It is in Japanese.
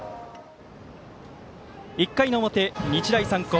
１回の表、日大三高。